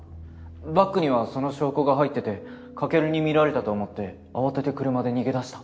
バッグにはその証拠が入ってて翔琉に見られたと思って慌てて車で逃げ出した。